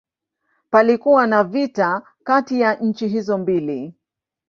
Palikuwa na vita kati ya nchi hizo mbili.